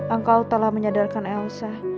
engkau telah menyadarkan elsa